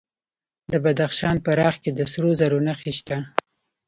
د بدخشان په راغ کې د سرو زرو نښې شته.